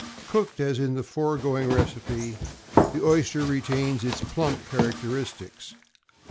Cooked as in the foregoing recipe, the oyster retains its plump characteristics.